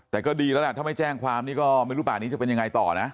แต่ก็ดีแล้วล่ะถ้าไม่แจ้งความนี่ก็ไม่รู้ป่านี้จะเป็นยังไงต่อนะ